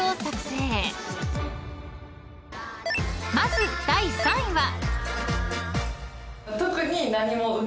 ［まず第３位は］